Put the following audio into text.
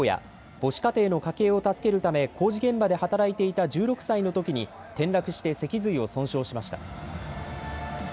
母子家庭の家計を助けるため、工事現場で働いていた１６歳のときに、転落して脊髄を損傷しました。